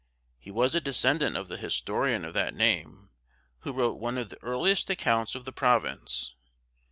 He was a descendant of the historian of that name, who wrote one of the earliest accounts of the province.